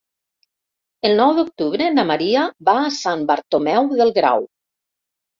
El nou d'octubre na Maria va a Sant Bartomeu del Grau.